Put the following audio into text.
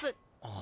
あ？